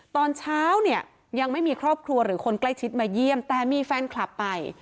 ตอนเช้าเนี่ยยังไม่มีครอบครัวหรือคนใกล้ชิดมาเยี่ยมแต่มีแฟนคลับไป